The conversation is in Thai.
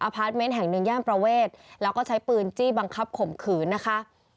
พาร์ทเมนต์แห่งหนึ่งย่านประเวทแล้วก็ใช้ปืนจี้บังคับข่มขืนนะคะ